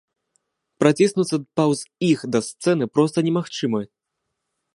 Праціснуцца паўз іх да сцэны проста немагчыма.